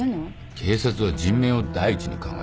警察は人命を第一に考えてる